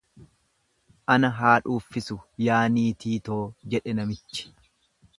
Ana haa dhuuffisu yaa niitii too jedhe namichi.